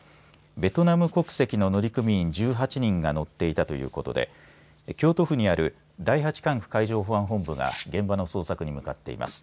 ベトナム国籍の乗組員１８人が乗っていたということで京都府にある第８管区海上保安本部が現場の捜索に向かっています。